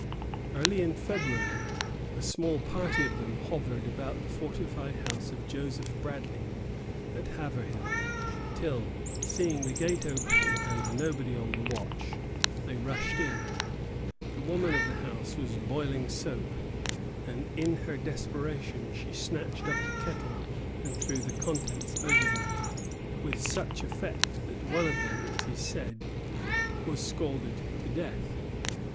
Early in February a small party of them hovered about the fortified house of Joseph Bradley at Haverhill, till, seeing the gate open and nobody on the watch, they rushed in. The woman of the house was boiling soap, and in her desperation she snatched up the kettle and threw the contents over them with such effect that one of them, it is said, was scalded to death.